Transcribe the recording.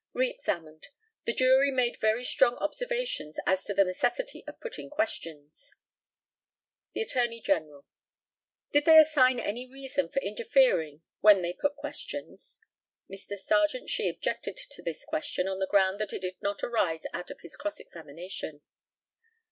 Re examined: The jury made very strong observations as to the necessity of putting questions. The ATTORNEY GENERAL: Did they assign any reason for interfering when they put questions? Mr. Serjeant SHEE objected to this question, on the ground that it did not arise out of his cross examination.